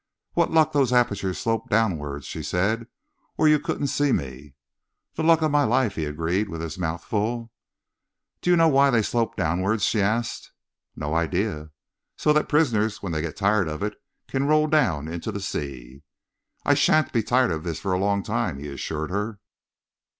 "What luck those apertures slope downwards," she said, "or you couldn't see me!" "The luck of my life," he agreed, with his mouth full. "Do you know why they do slope downwards?" she asked. "No idea." "So that prisoners, when they get tired of it, can roll down into the sea." "I shan't be tired of this for a long time," he assured her.